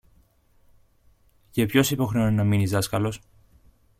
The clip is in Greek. Και ποιος σε υποχρεώνει να μείνεις δάσκαλος;